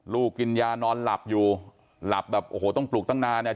กินยานอนหลับอยู่หลับแบบโอ้โหต้องปลุกตั้งนานเนี่ย